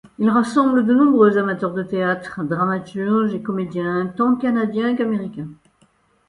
Il rassemble de nombreux amateurs de théâtre, dramaturges et comédiens, tant canadiens qu'américains.